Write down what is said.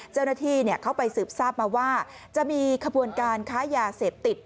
เจ้าหน้าที่เข้าไปสืบทราบมาว่าจะมีขบวนการค้ายาเสพติด